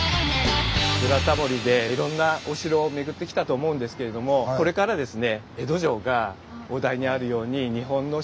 「ブラタモリ」でいろんなお城を巡ってきたと思うんですけれどもこれからですね